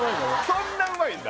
そんなうまいんだ